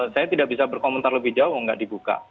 saya tidak bisa berkomentar lebih jauh nggak dibuka